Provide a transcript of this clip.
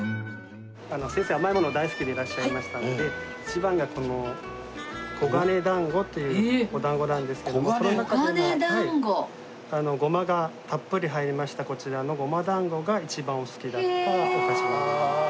先生甘いもの大好きでいらっしゃいましたので一番がこの古賀音だんごというお団子なんですけどもこの中でも胡麻がたっぷり入りましたこちらの胡麻団子が一番お好きだったお菓子。